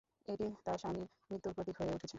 এটি তার স্বামীর মৃত্যুর প্রতীক হয়ে উঠেছে।